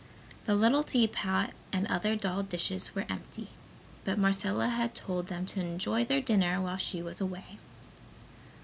The little teapot and other doll dishes were empty, but Marcella had told them to enjoy their dinner while she was away.